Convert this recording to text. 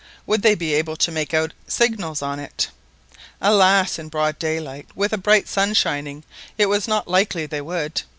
Would they be able to make out signals on it? Alas! in broad daylight, with a bright sun shining, it was not likely they would.